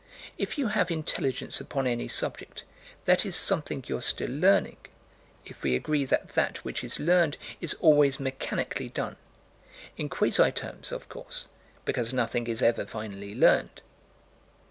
If you have intelligence upon any subject, that is something you're still learning if we agree that that which is learned is always mechanically done in quasi terms, of course, because nothing is ever finally learned.